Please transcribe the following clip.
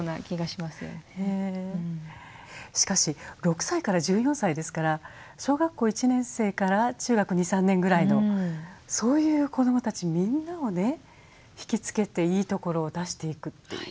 しかし６歳から１４歳ですから小学校１年生から中学２３年ぐらいのそういう子どもたちみんなをね引き付けていいところを出していくっていう。